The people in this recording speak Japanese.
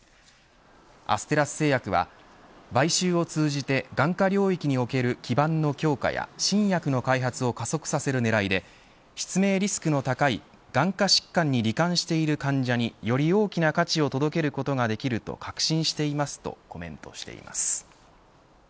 アステラス製薬は買収を通じて、眼科領域における基盤の強化や新薬の開発を加速させる狙いで失明リスクの高い眼科疾患にり患している患者により大きな価値を届けることができると確信していますとコメントしています。